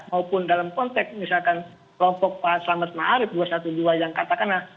maupun dalam konteks misalkan kelompok pak selamat ⁇ maarif dua ratus dua belas yang katakanlah